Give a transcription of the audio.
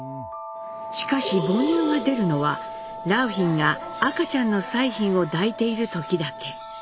しかし母乳が出るのは良浜が赤ちゃんの彩浜を抱いている時だけ。